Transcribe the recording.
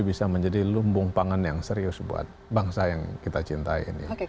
bisa menjadi lumbung pangan yang serius buat bangsa yang kita cintai ini